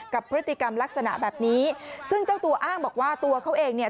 กับพฤติกรรมลักษณะแบบนี้ซึ่งเจ้าตัวอ้างบอกว่าตัวเขาเองเนี่ย